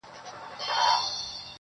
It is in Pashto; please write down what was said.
چي مطلب ته په رسېږي هغه وايي-